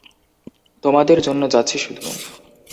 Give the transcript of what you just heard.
তোমার জন্য যাচ্ছি শুধু?